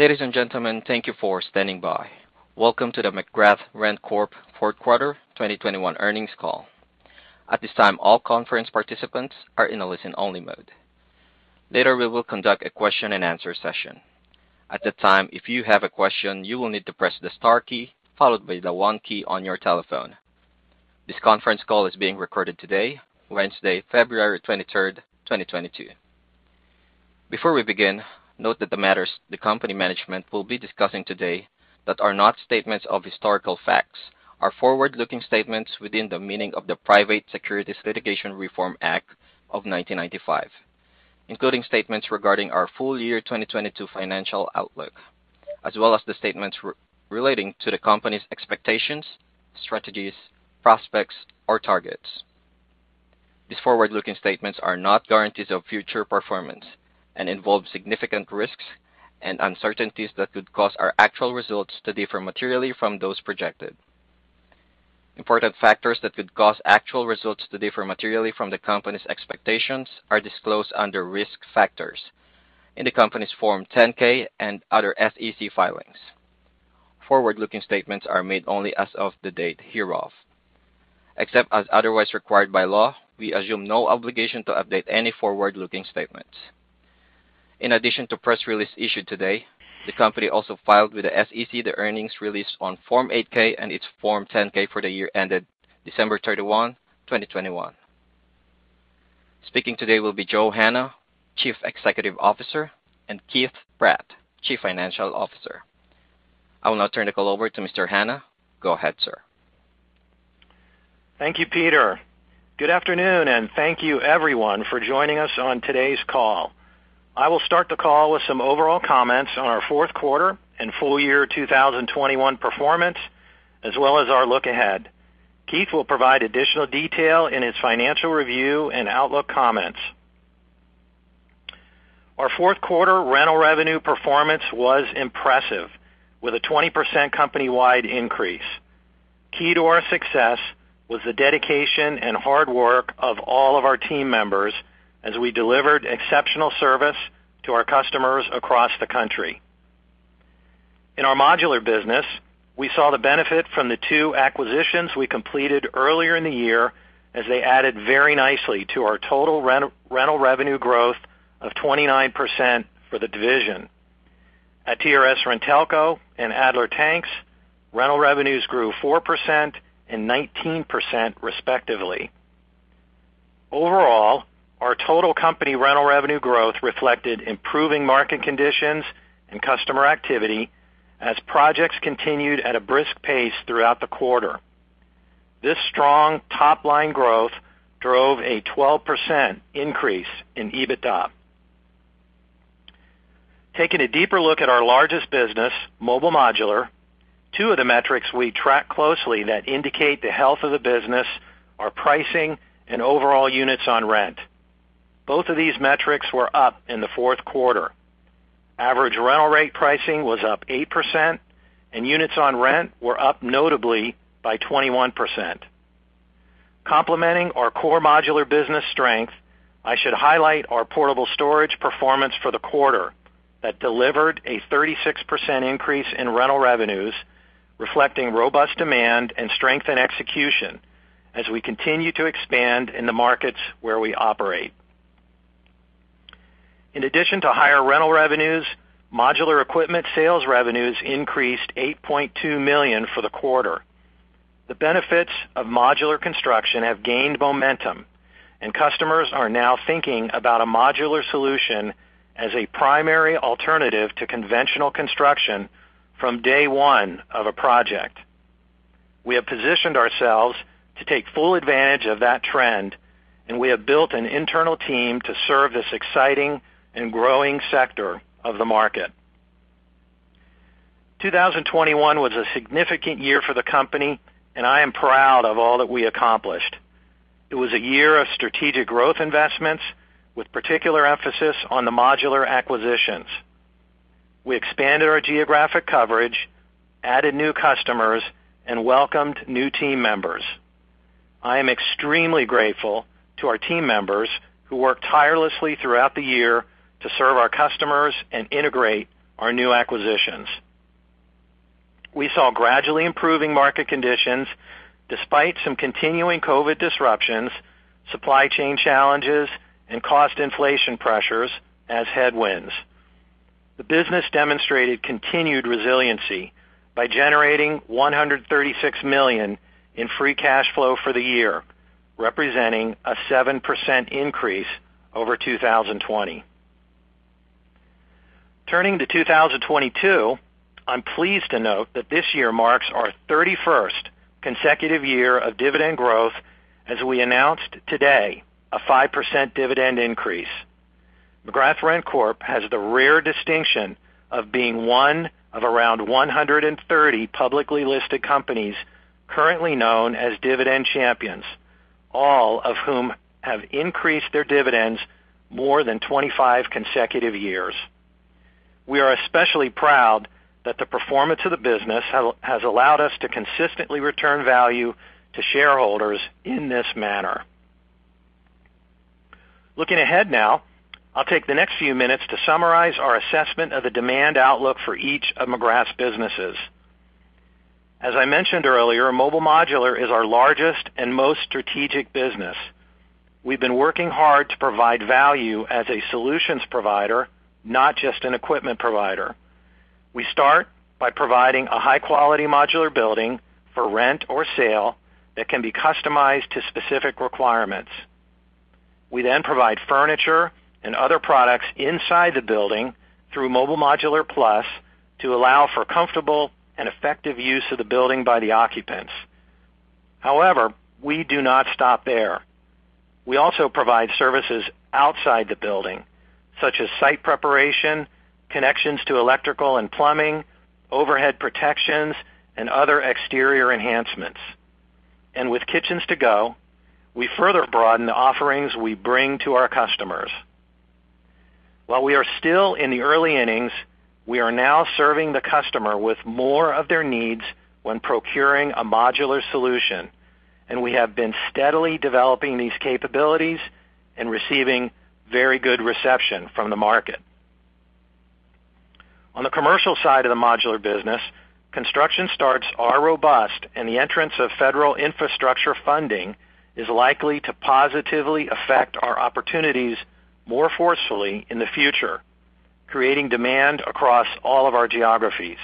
Ladies and gentlemen, thank you for standing by. Welcome to the McGrath RentCorp Q4 2021 Earnings Call. At this time, all conference participants are in a listen-only mode. Later, we will conduct a question-and-answer session. At that time, if you have a question, you will need to press the star key followed by the one key on your telephone. This conference call is being recorded today, Wednesday, February 23rd, 2022. Before we begin, note that the matters the company management will be discussing today that are not statements of historical facts are forward-looking statements within the meaning of the Private Securities Litigation Reform Act of 1995, including statements regarding our full year 2022 financial outlook, as well as the statements relating to the company's expectations, strategies, prospects, or targets. These forward-looking statements are not guarantees of future performance and involve significant risks and uncertainties that could cause our actual results to differ materially from those projected. Important factors that could cause actual results to differ materially from the company's expectations are disclosed under Risk Factors in the company's Form 10-K and other SEC filings. Forward-looking statements are made only as of the date hereof. Except as otherwise required by law, we assume no obligation to update any forward-looking statements. In addition to the press release issued today, the company also filed with the SEC the earnings release on Form 8-K and its Form 10-K for the year ended December 31st, 2021. Speaking today will be Joe Hanna, Chief Executive Officer, and Keith Pratt, Chief Financial Officer. I will now turn the call over to Mr. Hanna. Go ahead, sir. Thank you, Peter. Good afternoon, and thank you everyone for joining us on today's call. I will start the call with some overall comments on our Q4 and full year 2021 performance, as well as our look ahead. Keith will provide additional detail in his financial review and outlook comments. Our Q4 rental revenue performance was impressive, with a 20% company-wide increase. Key to our success was the dedication and hard work of all of our team members as we delivered exceptional service to our customers across the country. In our modular business, we saw the benefit from the two acquisitions we completed earlier in the year as they added very nicely to our total rental revenue growth of 29% for the division. At TRS-RenTelco and Adler Tank Rentals, rental revenues grew 4% and 19% respectively. Overall, our total company rental revenue growth reflected improving market conditions and customer activity as projects continued at a brisk pace throughout the quarter. This strong top-line growth drove a 12% increase in EBITDA. Taking a deeper look at our largest business, Mobile Modular, two of the metrics we track closely that indicate the health of the business are pricing and overall units on rent. Both of these metrics were up in Q4. Average rental rate pricing was up 8%, and units on rent were up notably by 21%. Complementing our core modular business strength, I should highlight our portable storage performance for the quarter that delivered a 36% increase in rental revenues, reflecting robust demand and strength in execution as we continue to expand in the markets where we operate. In addition to higher rental revenues, modular equipment sales revenues increased $8.2 million for the quarter. The benefits of modular construction have gained momentum, and customers are now thinking about a modular solution as a primary alternative to conventional construction from day one of a project. We have positioned ourselves to take full advantage of that trend, and we have built an internal team to serve this exciting and growing sector of the market. 2021 was a significant year for the company, and I am proud of all that we accomplished. It was a year of strategic growth investments with particular emphasis on the modular acquisitions. We expanded our geographic coverage, added new customers, and welcomed new team members. I am extremely grateful to our team members who worked tirelessly throughout the year to serve our customers and integrate our new acquisitions. We saw gradually improving market conditions despite some continuing COVID disruptions, supply chain challenges, and cost inflation pressures as headwinds. The business demonstrated continued resiliency by generating $136 million in free cash flow for the year, representing a 7% increase over 2020. Turning to 2022, I'm pleased to note that this year marks our 31st consecutive year of dividend growth as we announced today a 5% dividend increase. McGrath RentCorp has the rare distinction of being one of around 130 publicly listed companies currently known as Dividend Champions, all of whom have increased their dividends more than 25 consecutive years. We are especially proud that the performance of the business has allowed us to consistently return value to shareholders in this manner. Looking ahead now, I'll take the next few minutes to summarize our assessment of the demand outlook for each of McGrath's businesses. As I mentioned earlier, Mobile Modular is our largest and most strategic business. We've been working hard to provide value as a solutions provider, not just an equipment provider. We start by providing a high-quality modular building for rent or sale that can be customized to specific requirements. We then provide furniture and other products inside the building through Mobile Modular Plus to allow for comfortable and effective use of the building by the occupants. However, we do not stop there. We also provide services outside the building, such as site preparation, connections to electrical and plumbing, overhead protections, and other exterior enhancements. With Kitchens To Go, we further broaden the offerings we bring to our customers. While we are still in the early innings, we are now serving the customer with more of their needs when procuring a modular solution, and we have been steadily developing these capabilities and receiving very good reception from the market. On the commercial side of the modular business, construction starts are robust, and the entrance of federal infrastructure funding is likely to positively affect our opportunities more forcefully in the future, creating demand across all of our geographies.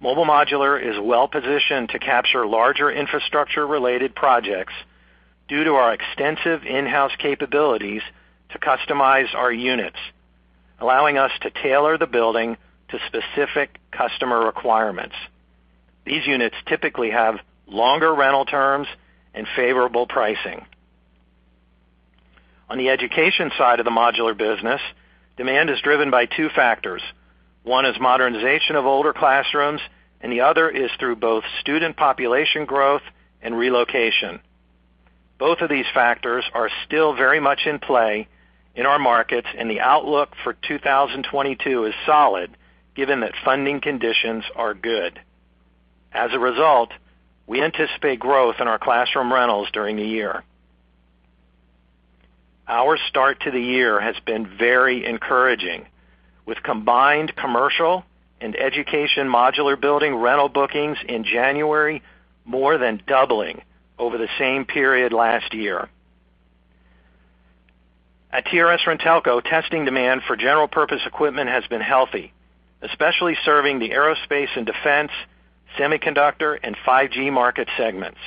Mobile Modular is well-positioned to capture larger infrastructure-related projects due to our extensive in-house capabilities to customize our units, allowing us to tailor the building to specific customer requirements. These units typically have longer rental terms and favorable pricing. On the education side of the modular business, demand is driven by two factors. One is modernization of older classrooms, and the other is through both student population growth and relocation. Both of these factors are still very much in play in our markets, and the outlook for 2022 is solid given that funding conditions are good. As a result, we anticipate growth in our classroom rentals during the year. Our start to the year has been very encouraging, with combined commercial and education modular building rental bookings in January more than doubling over the same period last year. At TRS-RenTelco, testing demand for general purpose equipment has been healthy, especially serving the aerospace and defense, semiconductor, and 5G market segments.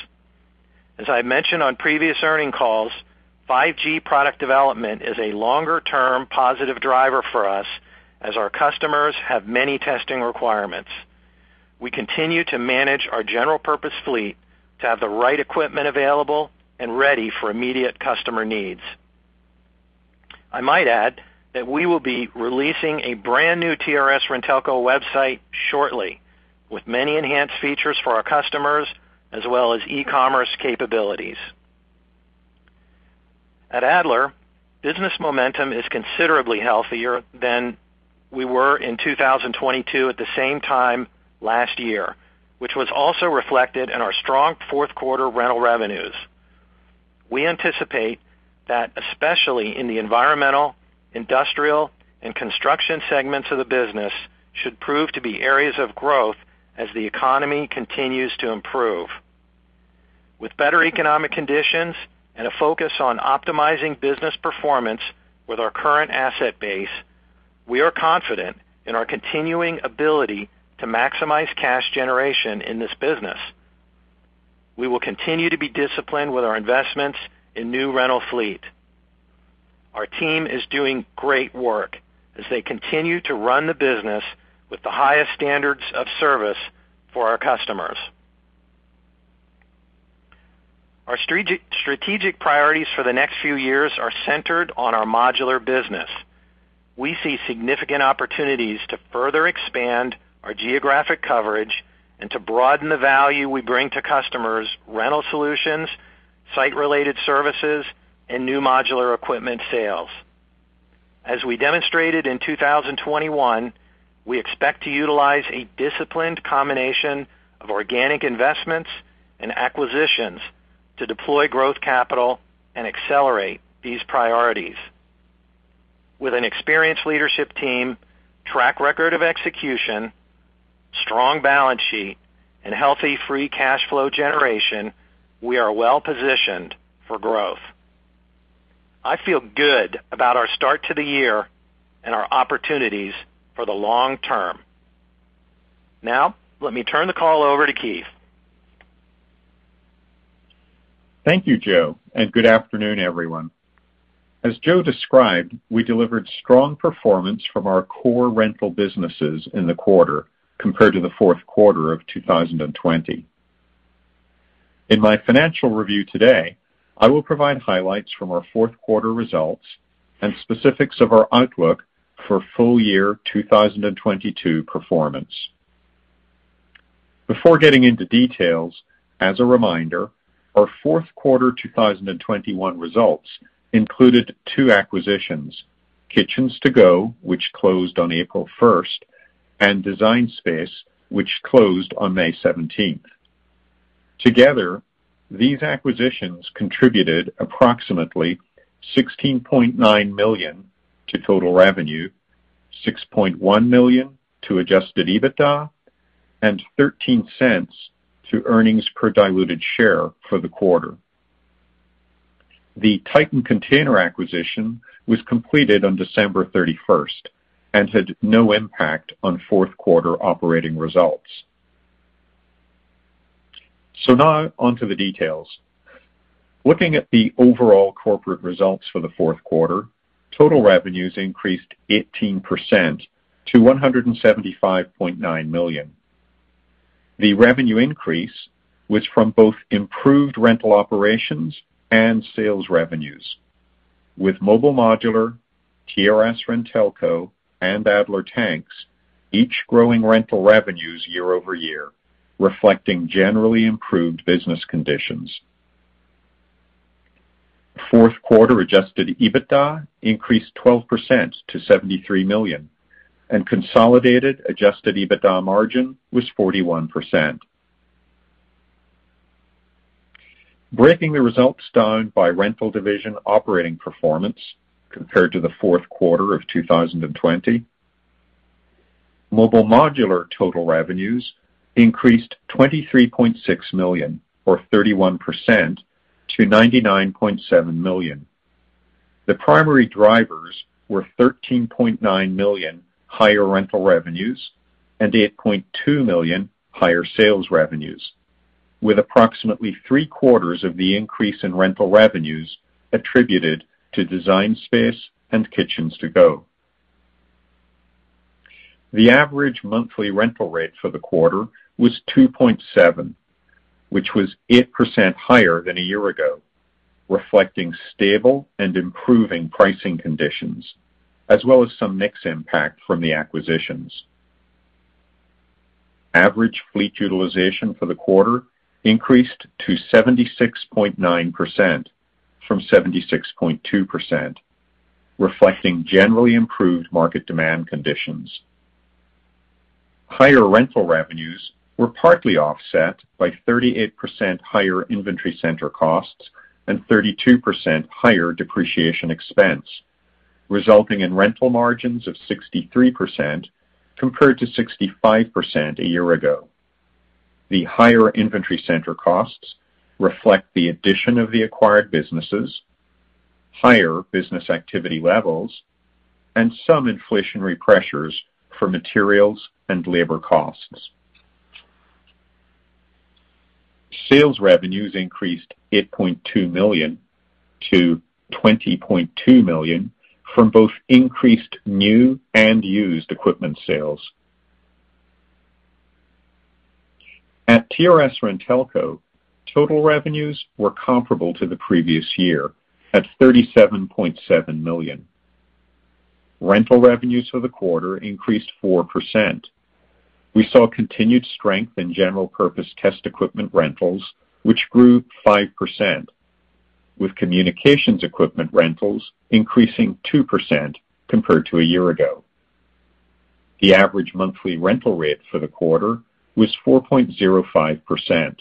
As I mentioned on previous earnings calls, 5G product development is a longer-term positive driver for us as our customers have many testing requirements. We continue to manage our general purpose fleet to have the right equipment available and ready for immediate customer needs. I might add that we will be releasing a brand-new TRS-RenTelco website shortly with many enhanced features for our customers as well as e-commerce capabilities. At Adler, business momentum is considerably healthier than we were in 2022 at the same time last year, which was also reflected in our strong Q4 rental revenues. We anticipate that especially in the environmental, industrial, and construction segments of the business should prove to be areas of growth as the economy continues to improve. With better economic conditions and a focus on optimizing business performance with our current asset base, we are confident in our continuing ability to maximize cash generation in this business. We will continue to be disciplined with our investments in new rental fleet. Our team is doing great work as they continue to run the business with the highest standards of service for our customers. Our strategic priorities for the next few years are centered on our modular business. We see significant opportunities to further expand our geographic coverage and to broaden the value we bring to customers, rental solutions, site-related services, and new modular equipment sales. As we demonstrated in 2021, we expect to utilize a disciplined combination of organic investments and acquisitions to deploy growth capital and accelerate these priorities. With an experienced leadership team, track record of execution, strong balance sheet, and healthy free cash flow generation, we are well positioned for growth. I feel good about our start to the year and our opportunities for the long term. Now, let me turn the call over to Keith. Thank you, Joe, and good afternoon, everyone. As Joe described, we delivered strong performance from our core rental businesses in the quarter compared to Q4 of 2020. In my financial review today, I will provide highlights from our Q4 results and specifics of our outlook for full year 2022 performance. Before getting into details, as a reminder, our Q4 2021 results included two acquisitions, Kitchens To Go, which closed on April 1st, and Design Space, which closed on May 17th. Together, these acquisitions contributed approximately $16.9 million to total revenue, $6.1 million to Adjusted EBITDA, and $0.13 to earnings per diluted share for the quarter. The Titan Storage Containers acquisition was completed on December 31 and had no impact on Q4 operating results. Now on to the details. Looking at the overall corporate results for Q4, total revenues increased 18% to $175.9 million. The revenue increase was from both improved rental operations and sales revenues, with Mobile Modular, TRS-RenTelco, and Adler Tanks each growing rental revenues year-over-year, reflecting generally improved business conditions. Q4 Adjusted EBITDA increased 12% to $73 million, and consolidated Adjusted EBITDA margin was 41%. Breaking the results down by rental division operating performance compared to Q4 of 2020, Mobile Modular total revenues increased $23.6 million or 31% to $99.7 million. The primary drivers were $13.9 million higher rental revenues and $8.2 million higher sales revenues, with approximately three-quarters of the increase in rental revenues attributed to Design Space and Kitchens To Go. The average monthly rental rate for the quarter was $2.7, which was 8% higher than a year ago, reflecting stable and improving pricing conditions as well as some mix impact from the acquisitions. Average fleet utilization for the quarter increased to 76.9% from 76.2%, reflecting generally improved market demand conditions. Higher rental revenues were partly offset by 38% higher inventory center costs and 32% higher depreciation expense, resulting in rental margins of 63% compared to 65% a year ago. The higher inventory center costs reflect the addition of the acquired businesses, higher business activity levels, and some inflationary pressures for materials and labor costs. Sales revenues increased $8.2 million to $20.2 million from both increased new and used equipment sales. At TRS-RenTelco, total revenues were comparable to the previous year at $37.7 million. Rental revenues for the quarter increased 4%. We saw continued strength in general purpose test equipment rentals, which grew 5%, with communications equipment rentals increasing 2% compared to a year ago. The average monthly rental rate for the quarter was 4.05%,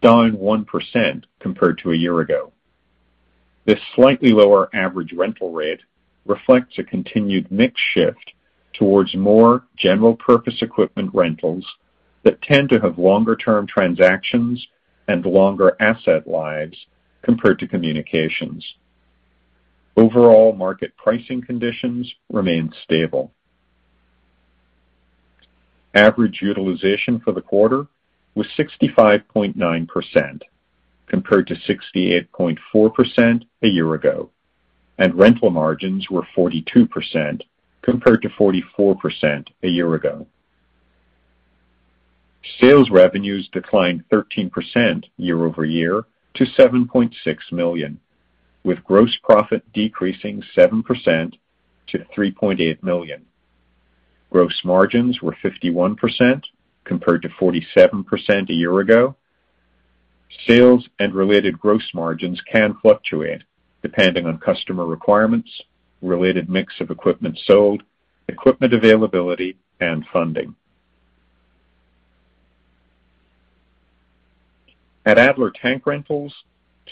down 1% compared to a year ago. This slightly lower average rental rate reflects a continued mix shift towards more general purpose equipment rentals that tend to have longer term transactions and longer asset lives compared to communications. Overall market pricing conditions remained stable. Average utilization for the quarter was 65.9% compared to 68.4% a year ago, and rental margins were 42% compared to 44% a year ago. Sales revenues declined 13% year-over-year to $7.6 million, with gross profit decreasing 7% to $3.8 million. Gross margins were 51% compared to 47% a year ago. Sales and related gross margins can fluctuate depending on customer requirements, related mix of equipment sold, equipment availability and funding. At Adler Tank Rentals,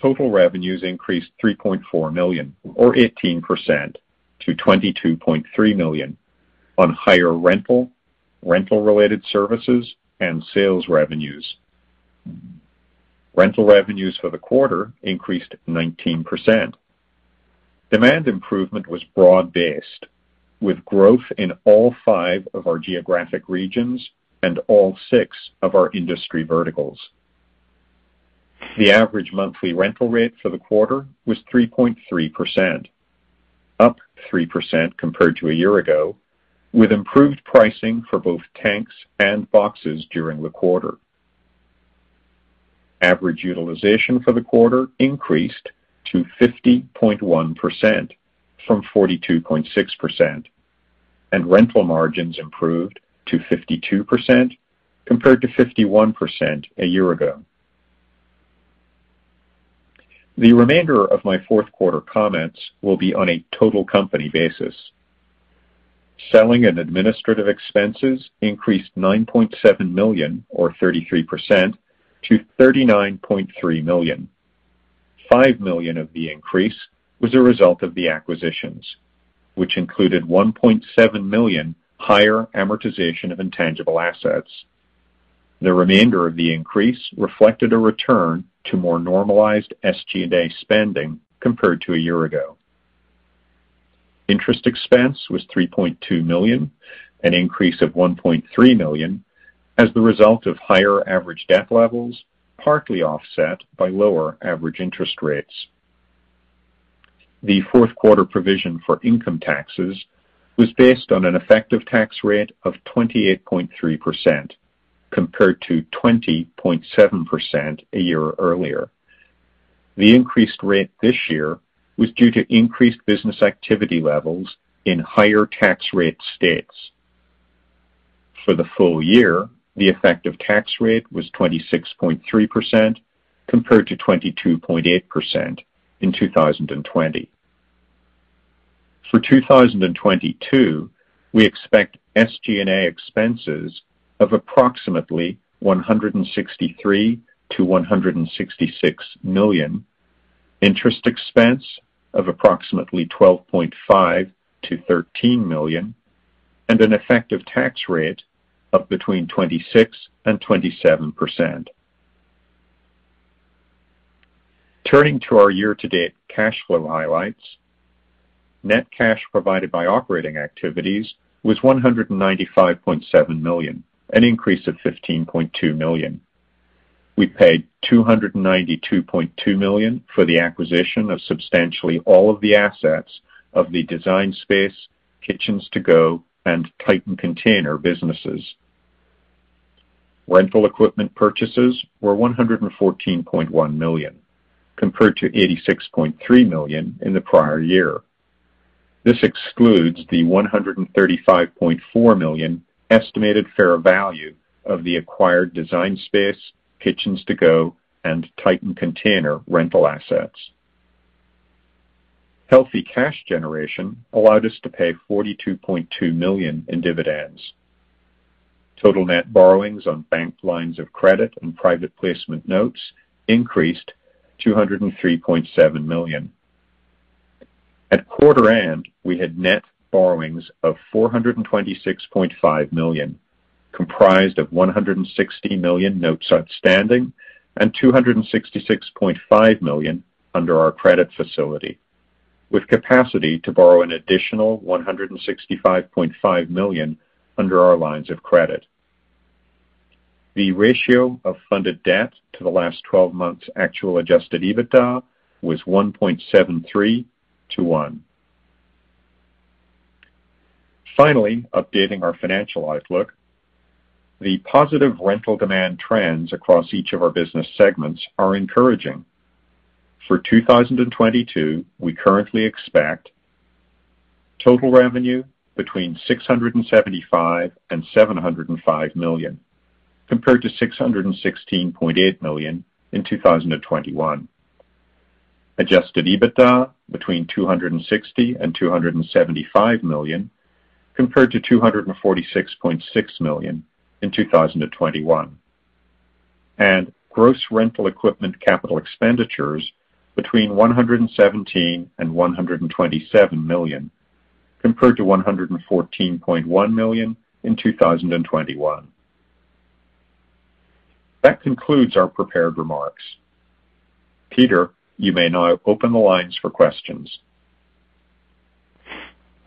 total revenues increased $3.4 million or 18% to $22.3 million on higher rental related services and sales revenues. Rental revenues for the quarter increased 19%. Demand improvement was broad-based with growth in all five of our geographic regions and all six of our industry verticals. The average monthly rental rate for the quarter was 3.3%, up 3% compared to a year ago, with improved pricing for both tanks and boxes during the quarter. Average utilization for the quarter increased to 50.1% from 42.6%, and rental margins improved to 52% compared to 51% a year ago. The remainder of my Q4 comments will be on a total company basis. Selling and administrative expenses increased $9.7 million or 33% to $39.3 million. $5 million of the increase was a result of the acquisitions, which included $1.7 million higher amortization of intangible assets. The remainder of the increase reflected a return to more normalized SG&A spending compared to a year ago. Interest expense was $3.2 million, an increase of $1.3 million as the result of higher average debt levels, partly offset by lower average interest rates. Q4 provision for income taxes was based on an effective tax rate of 28.3% compared to 20.7% a year earlier. The increased rate this year was due to increased business activity levels in higher tax rate states. For the full year, the effective tax rate was 26.3% compared to 22.8% in 2020. For 2022, we expect SG&A expenses of approximately $163 million-$166 million, interest expense of approximately $12.5 million-$13 million, and an effective tax rate of between 26% and 27%. Turning to our year-to-date cash flow highlights. Net cash provided by operating activities was $195.7 million, an increase of $15.2 million. We paid $292.2 million for the acquisition of substantially all of the assets of the Design Space, Kitchens To Go, and Titan Containers businesses. Rental equipment purchases were $114.1 million, compared to $86.3 million in the prior year. This excludes the $135.4 million estimated fair value of the acquired Design Space, Kitchens To Go, and Titan Containers rental assets. Healthy cash generation allowed us to pay $42.2 million in dividends. Total net borrowings on bank lines of credit and private placement notes increased to $203.7 million. At quarter end, we had net borrowings of $426.5 million, comprised of $160 million notes outstanding and $266.5 million under our credit facility, with capacity to borrow an additional $165.5 million under our lines of credit. The ratio of funded debt to the last twelve months actual Adjusted EBITDA was 1.73 to 1. Finally, updating our financial outlook. The positive rental demand trends across each of our business segments are encouraging. For 2022, we currently expect total revenue between $675 million and $705 million, compared to $616.8 million in 2021. Adjusted EBITDA between $260 million and $275 million, compared to $246.6 million in 2021. Gross rental equipment capital expenditures between $117 million and $127 million, compared to $114.1 million in 2021. That concludes our prepared remarks. Peter, you may now open the lines for questions.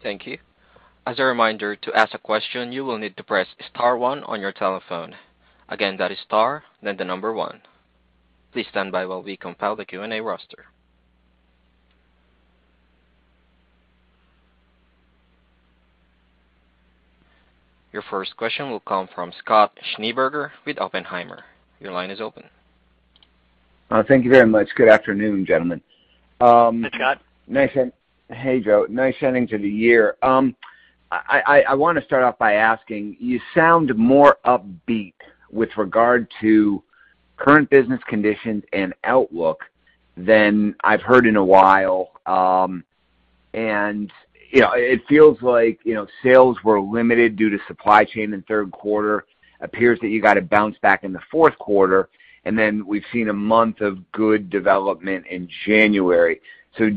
Thank you. As a reminder, to ask a question, you will need to press star one on your telephone. Again, that is star, then the number one. Please stand by while we compile the Q&A roster. Your first question will come from Scott Schneeberger with Oppenheimer. Your line is open. Thank you very much. Good afternoon, gentlemen. Hey, Scott. Hey, Joe. Nice ending to the year. I want to start off by asking, you sound more upbeat with regard to current business conditions and outlook than I've heard in a while. it feels like, sales were limited due to supply chain in Q3. Appears that you got a bounce back in Q4, and then we've seen a month of good development in January.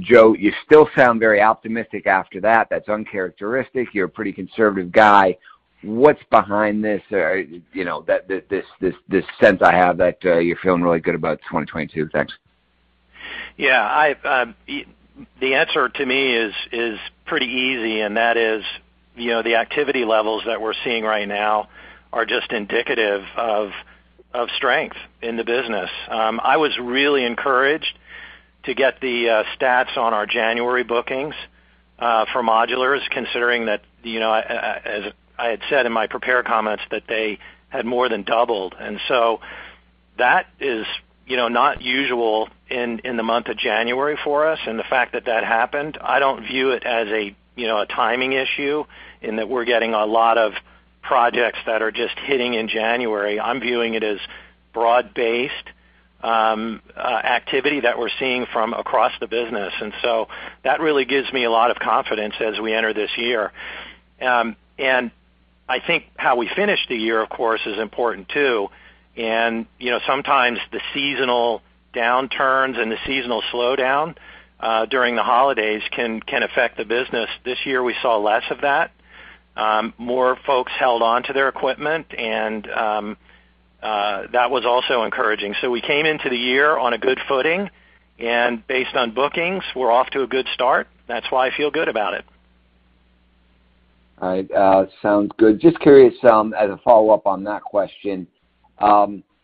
Joe, you still sound very optimistic after that. That's uncharacteristic. You're a pretty conservative guy. What's behind this? this sense I have that you're feeling really good about 2022. Thanks. Yes. The answer to me is pretty easy, and that is, the activity levels that we're seeing right now are just indicative of strength in the business. I was really encouraged to get the stats on our January bookings for modulars, considering that, as I had said in my prepared comments, that they had more than doubled. That is, not usual in the month of January for us. The fact that that happened, I don't view it as a, a timing issue in that we're getting a lot of projects that are just hitting in January, I'm viewing it as broad-based activity that we're seeing from across the business. That really gives me a lot of confidence as we enter this year. I think how we finish the year, of course, is important too. sometimes the seasonal downturns and the seasonal slowdown during the holidays can affect the business. This year, we saw less of that. More folks held on to their equipment and that was also encouraging. We came into the year on a good footing, and based on bookings, we're off to a good start. That's why I feel good about it. All right. Sounds good. Just curious, as a follow-up on that question.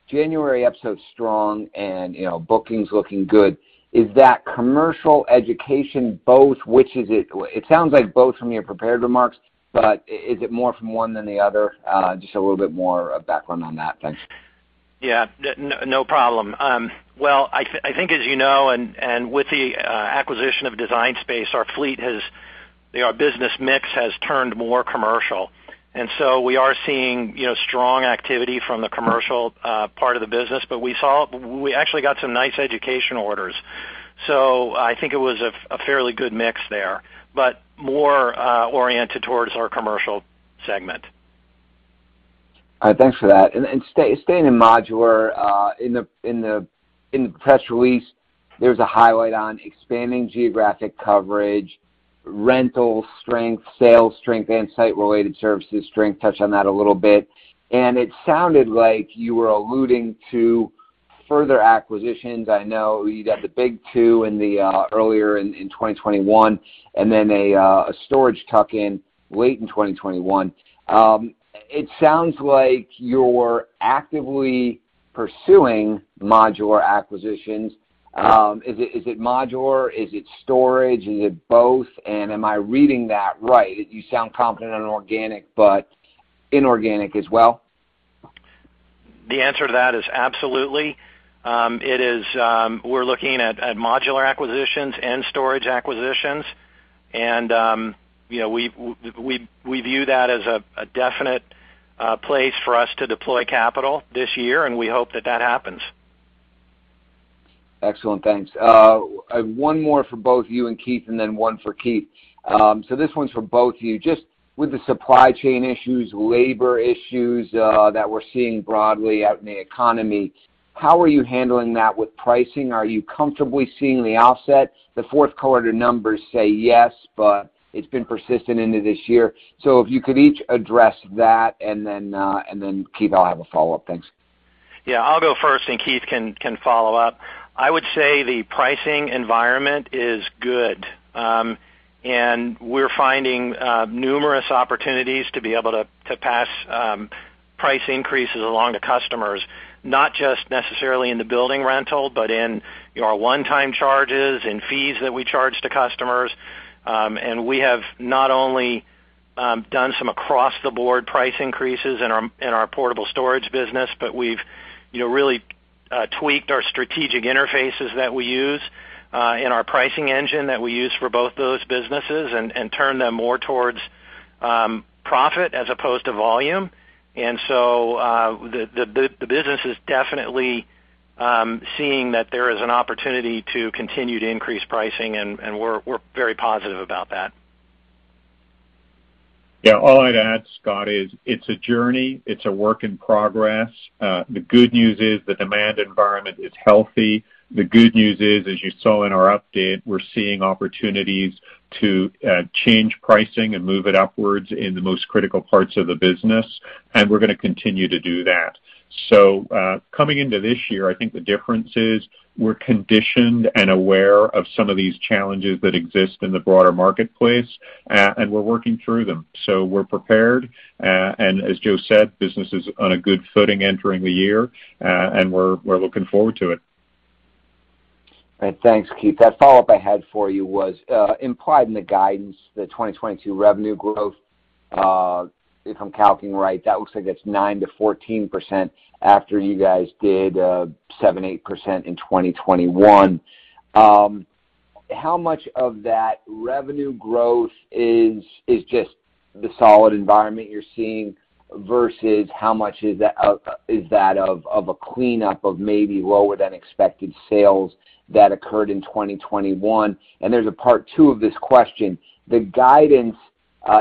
January up so strong and bookings looking good. Is that commercial, education, both? Which is it? It sounds like both from your prepared remarks, but is it more from one than the other? Just a little bit more background on that. Thanks. Yes. No problem. Well, I think as and with the acquisition of Design Space, our business mix has turned more commercial. We are seeing strong activity from the commercial part of the business. We actually got some nice education orders. I think it was a fairly good mix there, but more oriented towards our commercial segment. All right. Thanks for that. Staying in modular, in the press release, there's a highlight on expanding geographic coverage, rental strength, sales strength, and site-related services strength. Touch on that a little bit. It sounded like you were alluding to further acquisitions. I know you'd had the big two earlier in 2021, and then a storage tuck-in late in 2021. It sounds like you're actively pursuing modular acquisitions. Is it modular? Is it storage? Is it both? Am I reading that right? You sound confident on organic, but inorganic as well. The answer to that is absolutely. It is. We're looking at modular acquisitions and storage acquisitions. we view that as a definite place for us to deploy capital this year, and we hope that happens. Excellent. Thanks. One more for both you and Keith, and then one for Keith. This one's for both of you. Just with the supply chain issues, labor issues, that we're seeing broadly out in the economy, how are you handling that with pricing? Are you comfortably seeing the offset? Q4 numbers say yes, but it's been persistent into this year. If you could each address that, and then Keith, I'll have a follow-up. Thanks. Yes. I'll go first, and Keith can follow up. I would say the pricing environment is good. We're finding numerous opportunities to be able to pass price increases along to customers, not just necessarily in the building rental, but in our one-time charges and fees that we charge to customers. We have not only done some across the board price increases in our portable storage business, but we've you know really tweaked our strategic interfaces that we use in our pricing engine that we use for both those businesses and turned them more towards profit as opposed to volume. The business is definitely seeing that there is an opportunity to continue to increase pricing, and we're very positive about that. Yes. All I'd add, Scott, is it's a journey. It's a work in progress. The good news is the demand environment is healthy. The good news is, as you saw in our update, we're seeing opportunities to change pricing and move it upwards in the most critical parts of the business, and we're going to continue to do that. Coming into this year, I think the difference is we're conditioned and aware of some of these challenges that exist in the broader marketplace, and we're working through them. We're prepared. As Joe said, business is on a good footing entering the year, and we're looking forward to it. All right. Thanks, Keith. That follow-up I had for you was implied in the guidance, the 2022 revenue growth. If I'm counting right, that looks like that's 9%-14% after you guys did 7%-8% in 2021. How much of that revenue growth is just the solid environment you're seeing versus how much is that of a cleanup of maybe lower than expected sales that occurred in 2021? And there's a part two of this question. The guidance,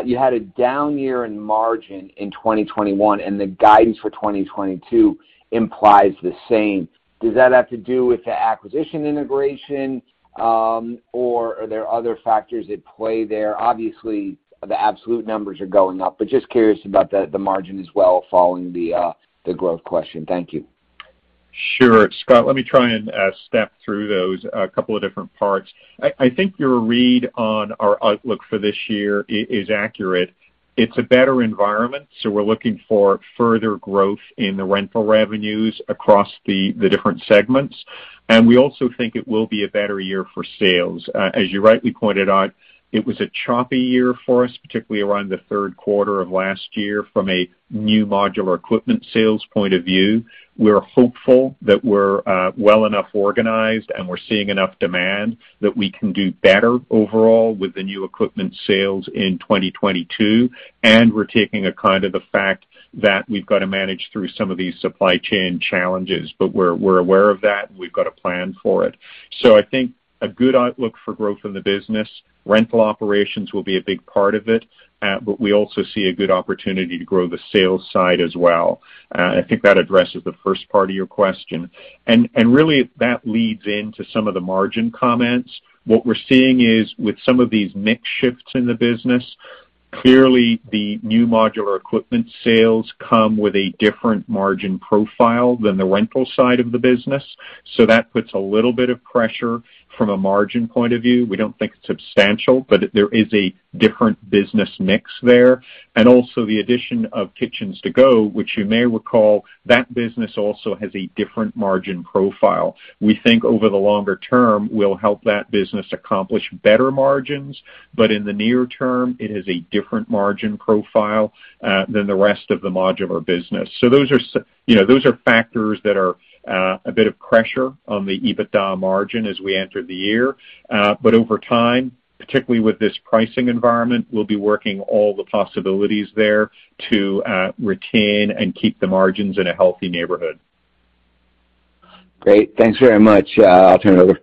you had a down year in margin in 2021, and the guidance for 2022 implies the same. Does that have to do with the acquisition integration, or are there other factors at play there? Obviously, the absolute numbers are going up, but just curious about the margin as well following the growth question. Thank you. Sure. Scott, let me try and step through those, a couple of different parts. I think your read on our outlook for this year is accurate. It's a better environment, so we're looking for further growth in the rental revenues across the different segments. We also think it will be a better year for sales. As you rightly pointed out, it was a choppy year for us, particularly around Q3 of last year from a new modular equipment sales point of view. We're hopeful that we're well enough organized, and we're seeing enough demand that we can do better overall with the new equipment sales in 2022, and we're taking into account the fact that we've got to manage through some of these supply chain challenges. We're aware of that, and we've got a plan for it. I think a good outlook for growth in the business. Rental operations will be a big part of it, but we also see a good opportunity to grow the sales side as well. I think that addresses the first part of your question. Really that leads into some of the margin comments. What we're seeing is with some of these mix shifts in the business, clearly the new modular equipment sales come with a different margin profile than the rental side of the business. That puts a little bit of pressure from a margin point of view. We don't think it's substantial, but there is a different business mix there. Also the addition of Kitchens To Go, which you may recall, that business also has a different margin profile. We think over the longer term we'll help that business accomplish better margins, but in the near term, it has a different margin profile than the rest of the modular business. Those are factors that are a bit of pressure on the EBITDA margin as we enter the year. Over time, particularly with this pricing environment, we'll be working all the possibilities there to retain and keep the margins in a healthy neighborhood. Great. Thanks very much. I'll turn it over.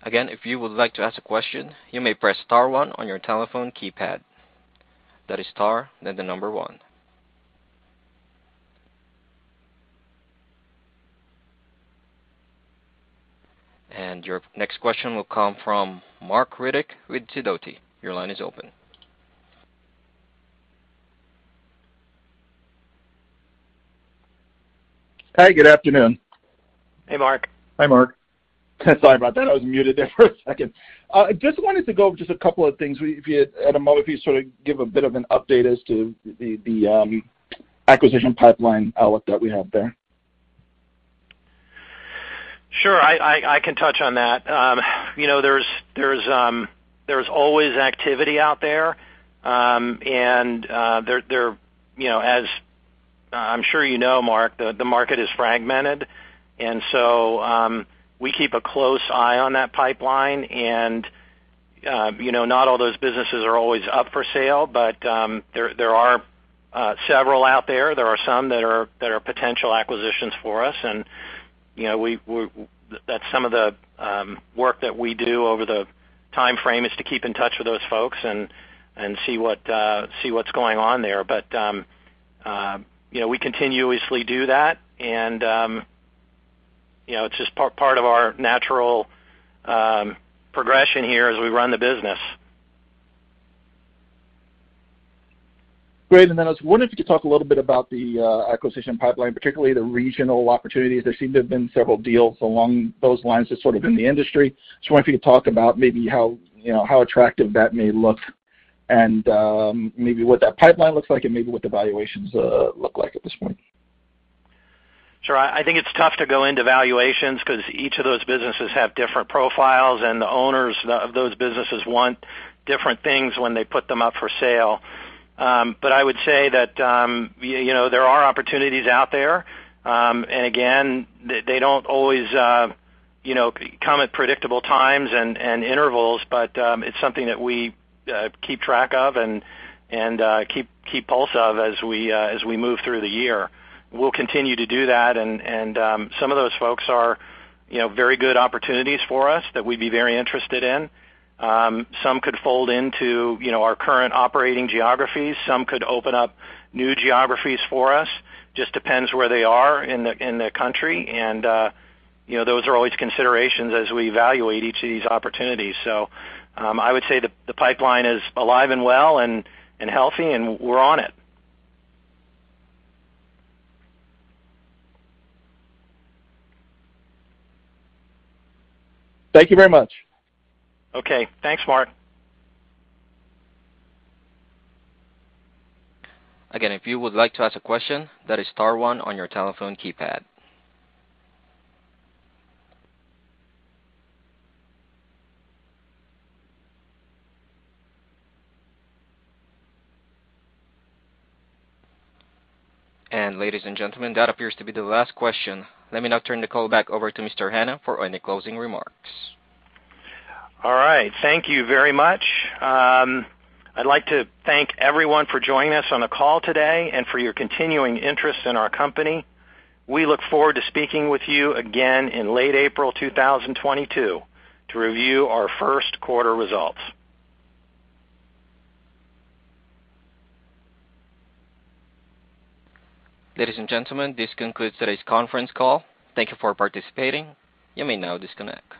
Your next question will come from Marc Riddick with Sidoti. Your line is open. Hi, good afternoon. Hey, Marc. Hi, Marc. Sorry about that. I was muted there for a second. Just wanted to go over just a couple of things if you had a moment, if you'd give a bit of an update as to the acquisition pipeline outlook that we have there. Sure. I can touch on that. there's always activity out there. as I'm sure you know Marc, the market is fragmented. We keep a close eye on that pipeline and not all those businesses are always up for sale, but there are several out there. There are some that are potential acquisitions for us. That's some of the work that we do over the timeframe is to keep in touch with those folks and see what's going on there. We continuously do that and it's just part of our natural progression here as we run the business. Great. Then I was wondering if you could talk a little bit about the acquisition pipeline, particularly the regional opportunities. There seem to have been several deals along those lines just in the industry. Just wondering if you could talk about maybe how attractive that may look and maybe what that pipeline looks like and maybe what the valuations, look like at this point. Sure. I think it's tough to go into valuations because each of those businesses have different profiles, and the owners of those businesses want different things when they put them up for sale. I would say that, there are opportunities out there. Again, they don't always, come at predictable times and intervals. It's something that we keep track of and keep pulse on as we move through the year. We'll continue to do that, and some of those folks are very good opportunities for us that we'd be very interested in. Some could fold into, our current operating geographies. Some could open up new geographies for us. Just depends where they are in the country. Those are always considerations as we evaluate each of these opportunities. I would say the pipeline is alive and well and healthy, and we're on it. Thank you very much. Okay. Thanks, Marc. Again, if you would like to ask a question, that is star one on your telephone keypad. Ladies and gentlemen, that appears to be the last question. Let me now turn the call back over to Mr. Hanna for any closing remarks. All right. Thank you very much. I'd like to thank everyone for joining us on the call today and for your continuing interest in our company. We look forward to speaking with you again in late April 2022 to review our Q1 results. Ladies and gentlemen, this concludes today's conference call. Thank you for participating. You may now disconnect.